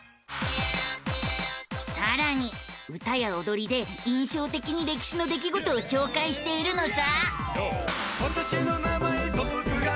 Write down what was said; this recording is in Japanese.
さらに歌やおどりで印象的に歴史の出来事を紹介しているのさ！